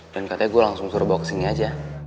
dan katanya gue langsung suruh bawa kesini aja